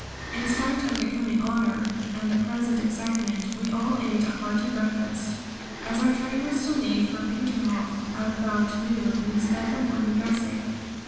In spite of the coming honour and the present excitement we all ate a hearty breakfast." "As our train was to leave for Peterhof about noon we spent the morning dressing.